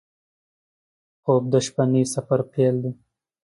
خوب د شپهني سفر پیل دی